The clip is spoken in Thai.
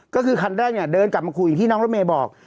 ก็คือครั้งแรกเดินกลับมาขู่อย่างที่น้องรถเมฆบอก